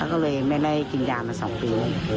ก็เลยไม่ได้กินยามา๒ปี